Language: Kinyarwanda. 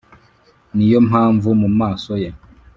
ni yo mpamvu mu maso ye